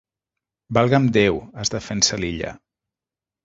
Valga'm Déu —es defensa l'Illa—.